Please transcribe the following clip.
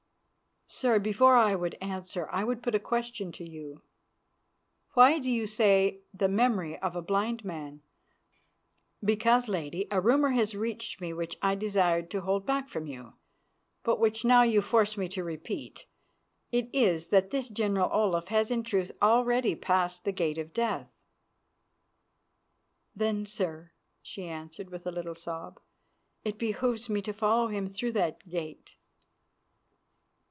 "Sir, before I answer I would put a question to you. Why do you say 'the memory of a blind man'?" "Because, Lady, a rumour has reached me which I desired to hold back from you, but which now you force me to repeat. It is that this General Olaf has in truth already passed the gate of death." "Then, sir," she answered, with a little sob, "it behoves me to follow him through that gate."